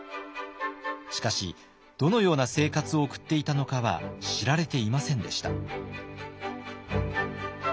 しかしどのような生活を送っていたのかは知られていませんでした。